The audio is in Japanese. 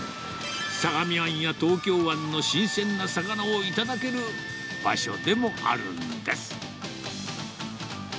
相模湾や東京湾の新鮮な魚を頂ける場所でもあるんです。